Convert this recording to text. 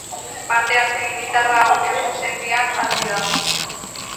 Parte-hartze militarrau egunsentian hasi da.